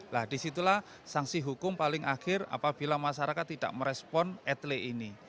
nah di situlah sanksi hukum paling akhir apabila masyarakat tidak merespon etlik ini